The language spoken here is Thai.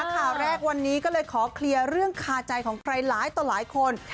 ข่าวแรกวันนี้ก็เลยขอเคลียร์เรื่องคาใจของใครหลายต่อหลายคน